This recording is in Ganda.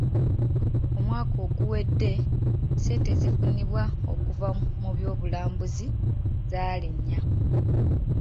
Omwaka oguwedde ssente ezifunibwa okuva mu by'obulambuzi zaalinnya.